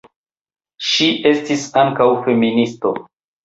Ŝi estis ankaŭ feministo.